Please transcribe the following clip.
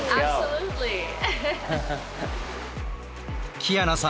キアナさん